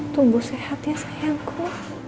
tumbuh sehat ya sayangku